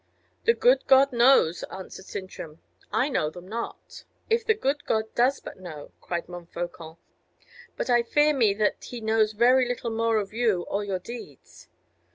"The good God knows," answered Sintram; "I know them not." "If the good God does but know!" cried Montfaucon: "but I fear me that He knows very little more of you or your deeds."